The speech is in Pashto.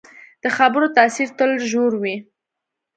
د خبرو تاثیر تل ژور وي